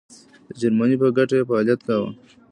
د جرمني په ګټه یې فعالیت کاوه.